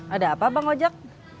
ada apa bang ojak